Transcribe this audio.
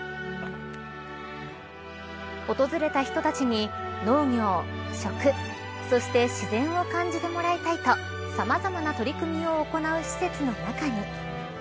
訪れた人たちに農業、食、そして自然を感じてもらいたいとさまざまな取り組みを行う施設の中に。